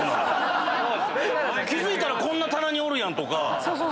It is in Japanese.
気付いたらこんな棚におるやんとか。